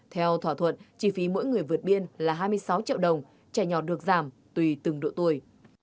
theo thỏa thuận chi phí mỗi người vượt biên là hai mươi sáu triệu đồng trẻ nhỏ được giảm tùy từng độ tuổi